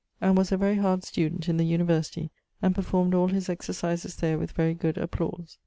And was a very hard student in the University, and performed all his exercises there with very good applause.